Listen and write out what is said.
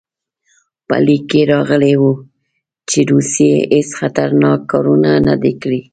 په لیک کې راغلي وو چې روسیې هېڅ خطرناک کار نه دی کړی.